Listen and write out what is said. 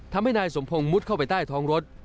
ทำให้นายสมพงศ์มุดเข้าไปใต้ท้องรถ